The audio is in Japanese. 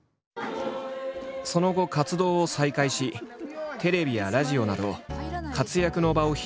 その後活動を再開しテレビやラジオなど活躍の場を広げていった冨永。